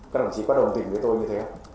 các đồng chí có đồng tình với tôi như thế